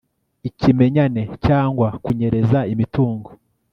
ikimenyane cyangwa kunyereza imitungo